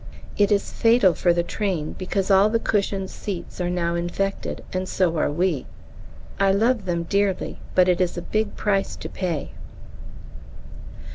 It is fatal for the train, because all the cushioned seats are now infected, and so are we. I love them dearly, but it is a big price to pay.